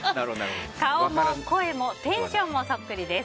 顔も声もテンションもそっくりです。